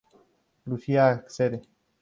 Lucía accede.